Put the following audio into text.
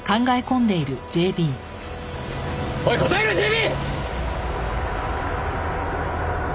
おい答えろＪＢ！